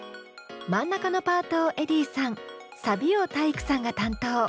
真ん中のパートをｅｄｈｉｉｉさんサビを体育さんが担当。